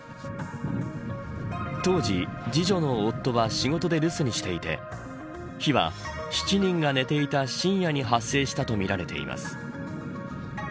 当時、次女の夫は仕事で留守にしていて火は７人が寝ていた深夜に発生したとみられています。